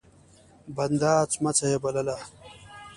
بنده سمڅه يې بلله.